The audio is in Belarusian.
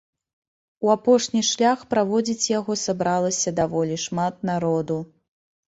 У апошні шлях праводзіць яго сабралася даволі шмат народу.